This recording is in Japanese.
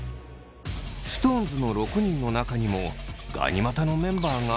ＳｉｘＴＯＮＥＳの６人の中にもガニ股のメンバーが２人。